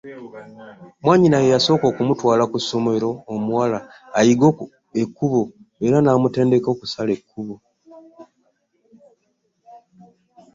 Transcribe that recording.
Mwannyina ye yasooka okumutwala ku ssomero omuwala ayige ekkubo era n'amutendeka okusala enguudo.